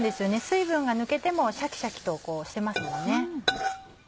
水分が抜けてもシャキシャキとしてますもんね。